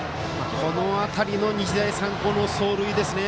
この辺りの日大三高の走塁ですね。